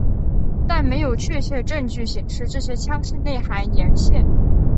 但没有确切证据显示这些腔室内含盐腺。